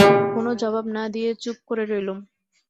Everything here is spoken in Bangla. কোনো জবাব না দিয়ে চুপ করে রইলুম।